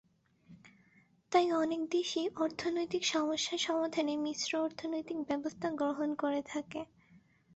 তাই অনেক দেশই অর্থনৈতিক সমস্যা সমাধানে মিশ্র অর্থনৈতিক ব্যবস্থা গ্রহণ করে থাকে।